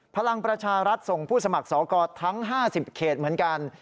พลังประชารัฐส่งผู้สมัครสอกรทั้ง๕๐เขตเหมือนกัน